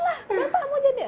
bapak mau jadi